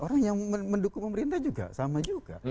orang yang mendukung pemerintah juga sama juga